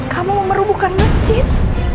kamu memerubuhkan masjid